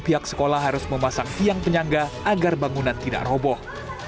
pihak sekolah harus memasang tiang penyangga agar bangunan tidak roboh